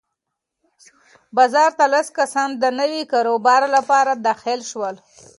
بازار ته لس کسان د نوي کاروبار لپاره داخل شول.